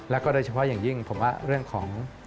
แล้วก็โดยเฉพาะอย่างยิ่งผมว่าเรื่องของ